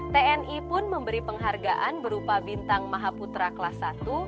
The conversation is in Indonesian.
tni pun memberi penghargaan berupa bintang maha putra kelas satu